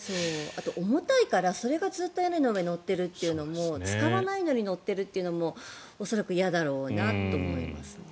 あと重たいからそれがずっと屋根の上に乗っているというのも使わないのに乗ってるというのも恐らく嫌だろうなと思います。